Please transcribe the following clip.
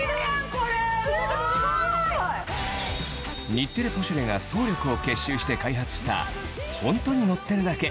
『日テレポシュレ』が総力を結集して開発したほんとに乗ってるだけ！